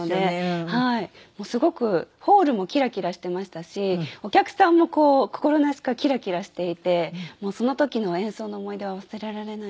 もうすごくホールもキラキラしてましたしお客さんも心なしかキラキラしていてもうその時の演奏の思い出は忘れられないですね。